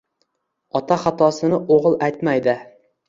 Ota xatosini o’g’il aytmaydi